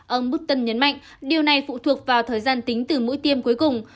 ông putin nhấn mạnh điều này phụ thuộc vào thời gian tính từ mũi tiêm cuối cùng